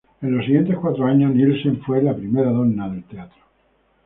En los siguientes cuatro años, Nielsen fue la primera donna del teatro.